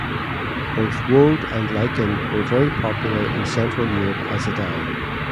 Both woad and lichen were very popular in central Europe as a dye.